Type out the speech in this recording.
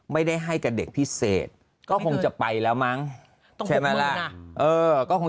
ให้กับเด็กพิเศษก็คงจะไปแล้วมั้งใช่ไหมล่ะ